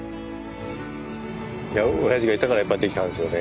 おやじがいたからやっぱできたんですよね。